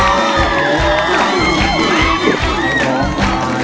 ร้องได้ให้ร้อง